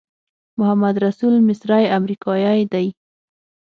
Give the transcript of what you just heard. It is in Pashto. محمدرسول مصری امریکایی دی.